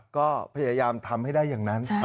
ก็พยายามทำให้ได้อย่างนั้น